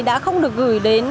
đã không được gửi đến